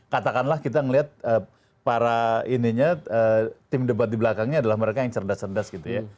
katakanlah kita melihat para tim debat di belakangnya adalah mereka yang cerdas cerdas gitu ya